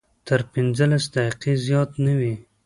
تر پنځلس دقیقې زیات نه وي.